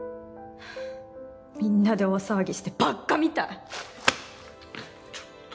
みんなで大騒ぎしてバカみたい。